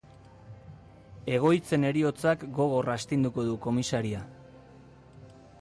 Egoitzen heriotzak gogor astinduko du komisaria.